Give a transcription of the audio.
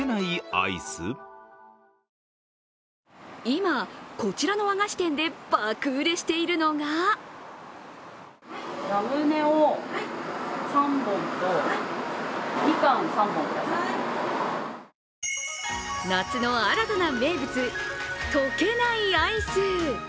今、こちらの和菓子店で爆売れしているのが夏の新たな名物、溶けないアイス。